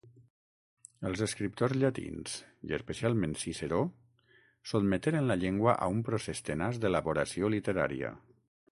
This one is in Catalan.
Els escriptors llatins, i especialment Ciceró, sotmeteren la llengua a un procés tenaç d'elaboració literària.